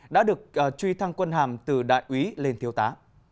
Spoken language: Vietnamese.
đã được truy thăng quân hàm từ đại úy lên thiếu tá